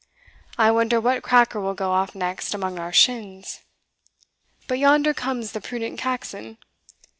I wonder what cracker will go off next among our shins. But yonder comes the prudent Caxon.